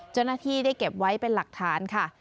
จนที่ได้เก็บไว้เป็นหลักฐานค่ะ